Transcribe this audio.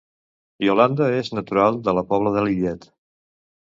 Yolanda és natural de la Pobla de Lillet